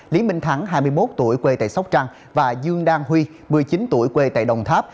lý minh thắng hai mươi một tuổi quê tại sóc trăng và dương đang huy một mươi chín tuổi quê tại đồng tháp